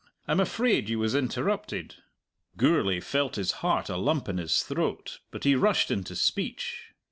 I'm afraid you was interrupted." Gourlay felt his heart a lump in his throat, but he rushed into speech.